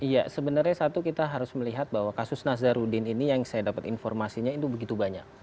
iya sebenarnya satu kita harus melihat bahwa kasus nazarudin ini yang saya dapat informasinya itu begitu banyak